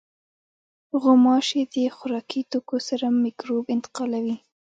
غوماشې د خوراکي توکو سره مکروب انتقالوي.